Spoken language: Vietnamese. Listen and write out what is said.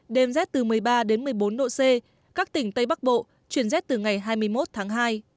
hai mươi bốn độ c các tỉnh tây bắc bộ chuyển rét từ ngày hai mươi một tháng hai